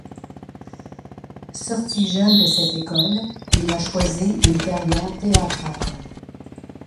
Sorti jeune de cette école, il a choisi une carrière théâtrale.